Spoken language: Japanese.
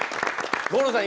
五郎さん